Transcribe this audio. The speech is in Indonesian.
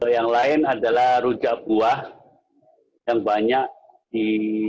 yang lain adalah rujak buah yang banyak di